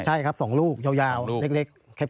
ใช่ครับ๒ลูกยาวเล็ก